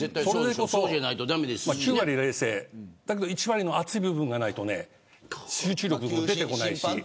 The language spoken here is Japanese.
９割冷静１割の熱い部分がないと集中力も出てこないし。